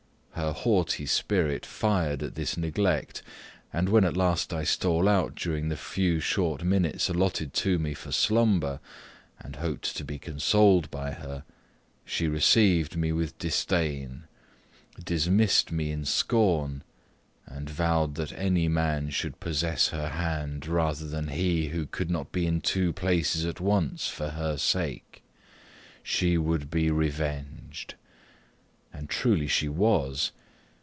Her haughty spirit fired at this neglect; and when at last I stole out during the few short minutes allotted to me for slumber, and hoped to be consoled by her, she received me with disdain, dismissed me in scorn, and vowed that any man should possess her hand rather than he who could not be in two places at once for her sake. She would be revenged! And truly she was.